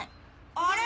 あれ？